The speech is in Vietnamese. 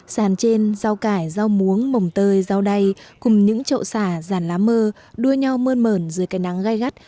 sàn trên rau cải rau muống mồng tơi rau đay cùng những trậu xả ràn lá mơ đua nhau mơn mởn dưới cây nắng gai gắt